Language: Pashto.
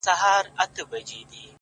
خدای په ژړا دی، خدای پرېشان دی،